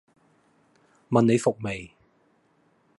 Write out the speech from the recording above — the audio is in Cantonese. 問你服未